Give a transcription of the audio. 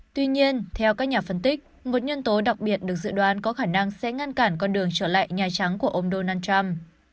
tuy nhiên theo các nhà phân tích một nhân tố đặc biệt được dự đoán có khả năng sẽ ngăn cản con đường trở lại nhà trắng của ông donald trump